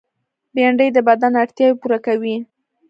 بېنډۍ د بدن اړتیاوې پوره کوي